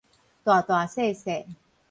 大大細細